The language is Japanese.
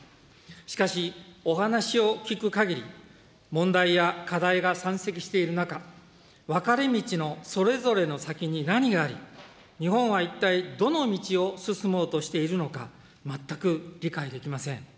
しかし、お話を聞くかぎり、問題や課題が山積している中、分かれ道のそれぞれの先に何があり、日本は一体どの道を進もうとしているのか、全く理解できません。